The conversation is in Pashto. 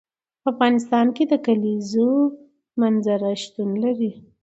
په افغانستان کې د کلیزو منظره شتون لري.